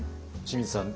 清水さん